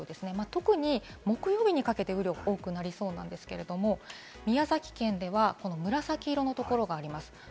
特に木曜日にかけて雨量が多くなりそうなんですけれども、宮崎県では紫色のところがあります。